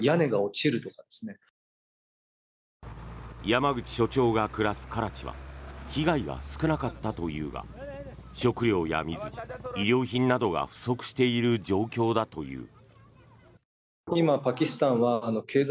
山口所長が暮らすカラチは被害が少なかったというが食糧や水、衣料品などが不足している状況だという。